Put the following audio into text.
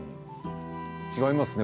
違いますね